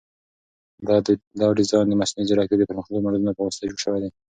دا ډیزاین د مصنوعي ځیرکتیا د پرمختللو ماډلونو په واسطه جوړ شوی دی.